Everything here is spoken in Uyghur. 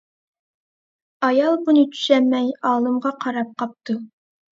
ئايال بۇنى چۈشەنمەي ئالىمغا قاراپلا قاپتۇ.